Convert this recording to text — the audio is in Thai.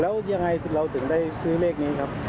แล้วยังไงเราถึงได้ซื้อเลขนี้ครับ